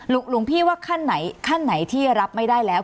หลวงพี่ว่าขั้นไหนขั้นไหนที่รับไม่ได้แล้ว